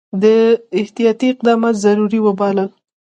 ده احتیاطي اقدامات ضروري وبلل.